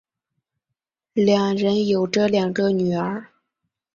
两人有着两个女儿。